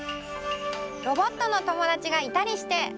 ロボットのともだちがいたりして。